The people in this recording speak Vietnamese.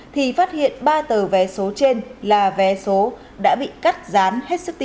thì phát hiện ba tờ vé số trên là vé số đã bị cắt rán hết sức ti